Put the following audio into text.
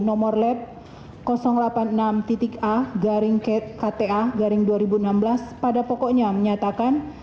nomor lab delapan puluh enam a kta garing dua ribu enam belas pada pokoknya menyatakan